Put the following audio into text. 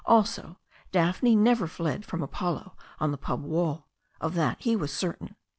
Also, Daphne never fled from Apollo on the pub wall. Of that he was certain.